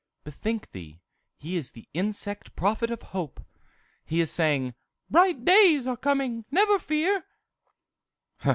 "Bethink thee; he is the insect prophet of hope. He is saying, 'Bright days are coming, never fear!